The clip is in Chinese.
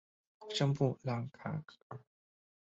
圣布朗卡尔。